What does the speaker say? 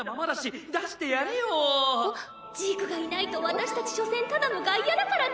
ジークがいないと私たち所詮ただの外野だからね。